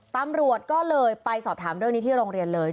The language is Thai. ตำรวจก็เลยไปสอบถามเรื่องนี้ที่โรงเรียนเลย